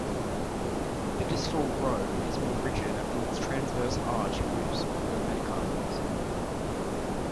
The distal row is more rigid as its transverse arch moves with the metacarpals.